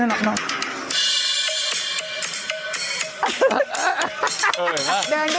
เดินด้วยเดินเออ